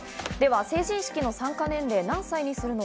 成人式の参加年齢を何歳にするのか。